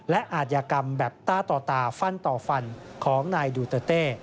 และอาจยากรรมแบบต้าต่อตาฟันต่อฟันของนายดูเตอร์เต้